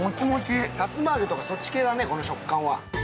さつま揚げとかそっち系だね、この食感は。